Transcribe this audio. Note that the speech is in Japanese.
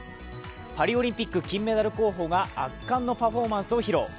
パリオリンピック金メダル候補が圧巻のパフォーマンスを披露。